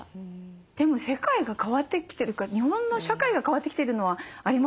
でも世界が変わってきてるから日本の社会が変わってきてるのはありますよね。